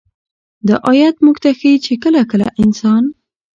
دا آيت موږ ته ښيي چې كله كله انسان